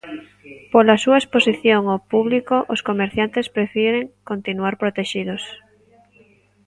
Pola súa exposición ao pública os comerciantes prefiren continuar protexidos.